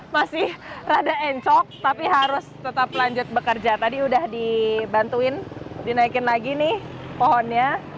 masih rada encok tapi harus tetap lanjut bekerja tadi udah dibantuin dinaikin lagi nih pohonnya